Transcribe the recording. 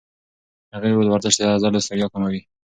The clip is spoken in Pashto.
هغې وویل ورزش د عضلو ستړیا کموي.